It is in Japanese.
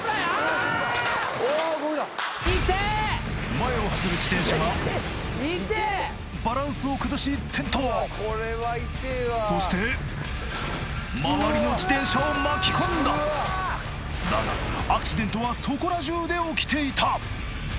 前を走る自転車がそして周りの自転車を巻き込んだだがアクシデントはそこら中で起きていた！